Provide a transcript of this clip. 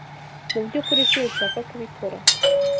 Mu byukuri sinshaka kubikora.